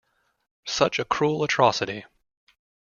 Such a cruel atrocity!